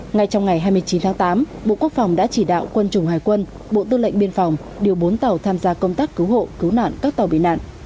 ngay trong ngày hai mươi chín tháng tám bộ quốc phòng đã chỉ đạo quân chủng hải quân bộ tư lệnh biên phòng điều bốn tàu tham gia công tác cứu hộ cứu nạn các tàu bị nạn